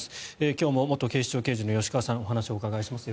今日も元警視庁刑事の吉川さんにお話を伺います。